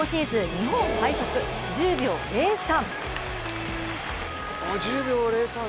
日本最速、１０秒０３。